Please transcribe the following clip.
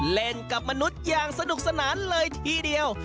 เล่นกับมนุษย์อย่างสนุกสนานเลยทีเดียว